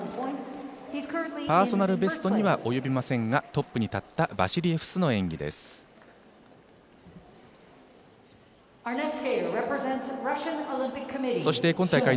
パーソナルベストには及びませんがトップに立ったバシリエフスの演技でした。